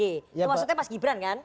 itu maksudnya mas gibran kan